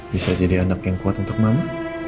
bisa jadi anak yang kuat untuk mama